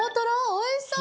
おいしそう！